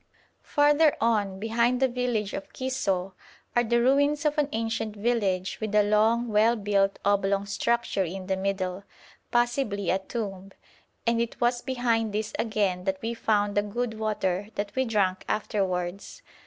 Farther on, behind the village of Kissoh, are the ruins of an ancient village with a long, well built, oblong structure in the middle, possibly a tomb; and it was behind this again that we found the good water that we drank afterwards.